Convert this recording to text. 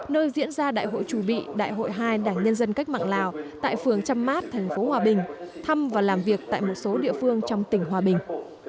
nơi diễn ra đại hội trù bị đại hội hai đảng nhân dân cách mạng lào tại phường trăm mát thành phố hòa bình thăm và làm việc tại một số địa phương trong tỉnh hòa bình